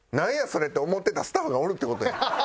それって思ってたスタッフがおるって事やん。